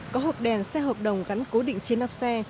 có hộp đèn xe hợp đồng gắn cố định trên nắp xe